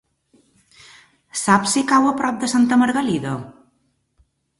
Saps si cau a prop de Santa Margalida?